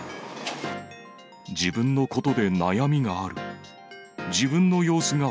自分のことで悩みがある。